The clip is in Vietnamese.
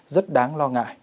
rất đáng lo ngại